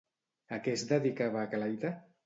A què es dedicava Aglaida?